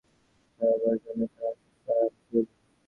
সমরাদিত্য বসন্ত রায়ের হাত ছাড়াইবার জন্য টানাহেঁচড়া আরম্ভ করিল।